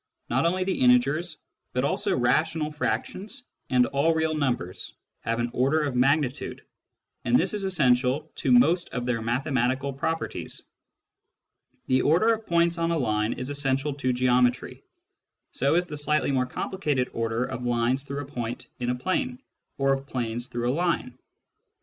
Not only the integers, but also rational frac tions and all real numbers have an order of magnitude, and this is essential to most of their mathematical properties. The order of points on a line is essential to geometry ; so is the slightly more complicated order of lines through a point in a plane, or of planes through a line.